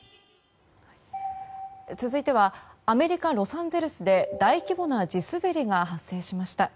続いてはアメリカ・ロサンゼルスで大規模な地滑りが発生しました。